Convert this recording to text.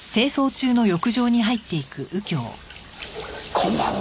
こんばんは。